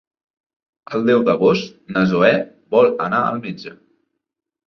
El deu d'agost na Zoè vol anar al metge.